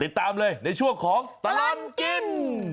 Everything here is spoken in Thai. ติดตามเลยในช่วงของตลอดกิน